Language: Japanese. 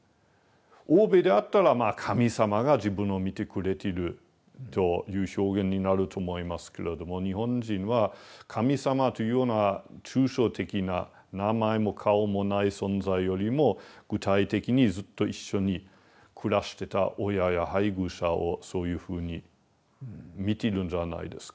欧米であったら神様が自分を見てくれてるという表現になると思いますけれども日本人は神様というような抽象的な名前も顔もない存在よりも具体的にずっと一緒に暮らしてた親や配偶者をそういうふうに見てるんじゃないですか。